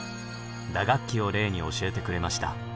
打楽器を例に教えてくれました。